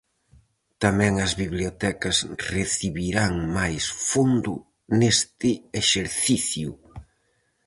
Tamén as bibliotecas recibirán mais fondo neste exercicio.